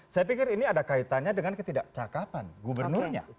saya pikir ini ada kaitannya dengan ketidakcakapan gubernurnya